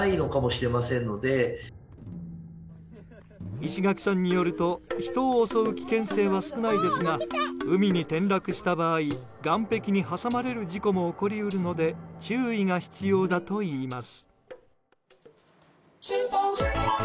石垣さんによると人を襲う危険性は少ないですが海に転落した場合岸壁に挟まれる事故も起こり得るので注意が必要だといいます。